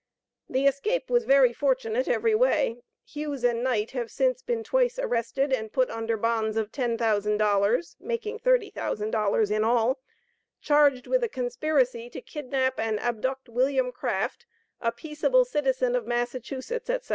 The escape was very fortunate every way. Hughes and Knight have since been twice arrested and put under bonds of $10,000 (making $30,000 in all), charged with a conspiracy to kidnap and abduct William Craft, a peaceable citizen of Massachusetts, etc.